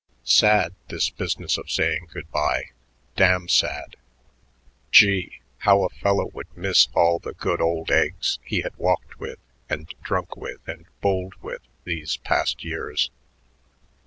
Sad, this business of saying good by, damn sad. Gee, how a fellow would miss all the good old eggs he had walked with and drunk with and bulled with these past years.